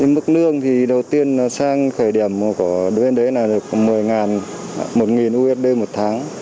mức lương thì đầu tiên sang khởi điểm của đối với đấy là được một mươi usd một tháng